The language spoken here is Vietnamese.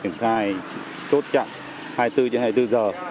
kiểm trai tốt chặn hai mươi bốn trên hai mươi bốn giờ